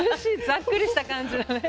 ざっくりした感じのね。